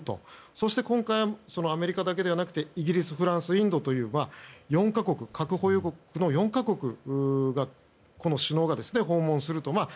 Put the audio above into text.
そして今回はアメリカだけではなくイギリス、フランスインドという核保有国の４か国の首脳が訪問すると。